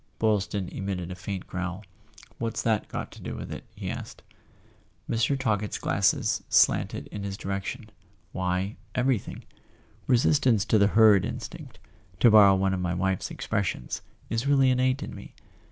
Boylston emitted a faint growl. "What's that got to do with it?" he asked. [ 320 ] A SON AT THE FRONT Mr. Talkett's glasses slanted in his direction. "Why —everything! Resistance to the herd instinct (to bor¬ row one of my wife's expressions) is really innate in me.